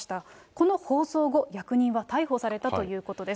この放送後、役人は逮捕されたということです。